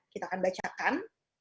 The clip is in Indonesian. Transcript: kita akan bacakan